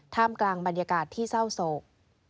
กลางบรรยากาศที่เศร้าโศก